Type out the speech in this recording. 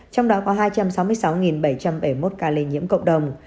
trong đó có hai trăm sáu mươi sáu bảy trăm bảy mươi một ca lây nhiễm cộng đồng